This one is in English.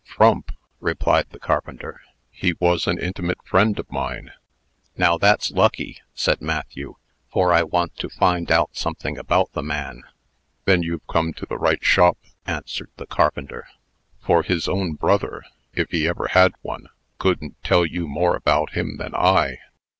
"Frump!" replied the carpenter. "He was an intimate friend of mine." "Now that's lucky," said Matthew, "for I want to find out something about the man." "Then you've come to the right shop," answered the carpenter; "for his own brother if he ever had one couldn't tell you more about him than I."